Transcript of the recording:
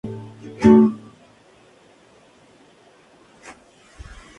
Muchos geólogos habían criticado la elección del nombre para los planetas parecidos a Plutón.